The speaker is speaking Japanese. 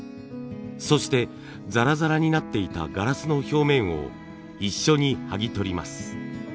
そしてザラザラになっていたガラスの表面を一緒に剥ぎ取ります。